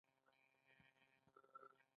ایا زما چربي به ښه شي؟